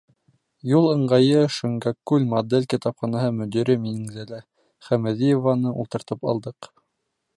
Юл ыңғайы Шөңгәккүл модель китапханаһы мөдире Миңзәлә Хәмәҙиеваны ултыртып алдыҡ.